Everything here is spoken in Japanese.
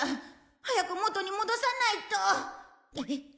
早く元に戻さないと。